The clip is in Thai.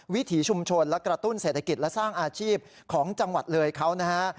วิถีชุมชนและกระตุ้นเศรษฐกิจและสร้างอาชีพของจังหวัดเลยเขานะฮะ